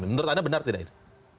menurut anda benar tidak itu